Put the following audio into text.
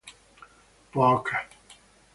Parker.